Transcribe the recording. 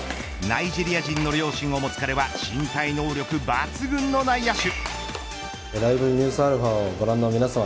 ナイジェリア人の両親を持つ彼は身体能力抜群の内野手。